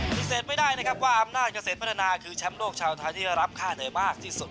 ปฏิเสธไม่ได้นะครับว่าอำนาจเกษตรพัฒนาคือแชมป์โลกชาวไทยที่ได้รับค่าเหนื่อยมากที่สุด